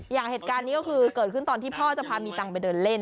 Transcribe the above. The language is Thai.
อย่างเหตุการณ์นี้ก็คือเกิดขึ้นตอนที่พ่อจะพามีตังค์ไปเดินเล่น